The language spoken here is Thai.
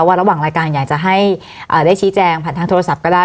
ระหว่างรายการอยากจะให้ได้ชี้แจงผ่านทางโทรศัพท์ก็ได้